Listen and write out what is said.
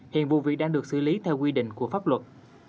hiện vụ việc đang được xử lý theo quy định của pháp luật